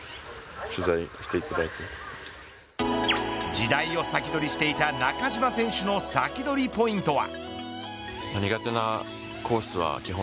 時代をサキドリしていた中島選手のサキドリポイントは。